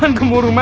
umi gemuruh umi